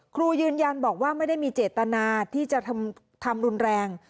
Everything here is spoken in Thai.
ครูยืนยันบอกว่าไม่ได้มีเจตนาที่จะทำรุนแรง